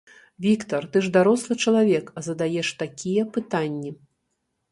Віктар, ты ж дарослы чалавек, а задаеш такія пытанні.